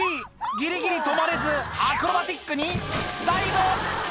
ギリギリ止まれずアクロバティックにダイブ！